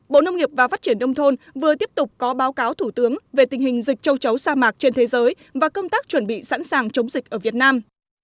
bộ nông nghiệp và phát triển đông thôn vừa tiếp tục có báo cáo thủ tướng về tình hình dịch châu chấu sa mạc trên thế giới và công tác chuẩn bị sẵn sàng chống dịch ở việt nam